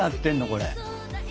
これ。